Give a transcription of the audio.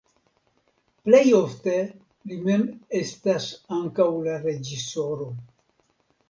Plej ofte li mem estas ankaŭ la reĝisoro.